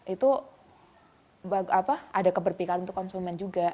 itu ada keberpikiran untuk konsumen juga